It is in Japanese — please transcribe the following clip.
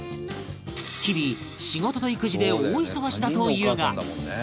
日々仕事と育児で大忙しだというが